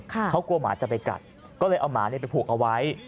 เขากลัวหมาจะไปกัดก็เลยเอาหมาไปผูกเอาไว้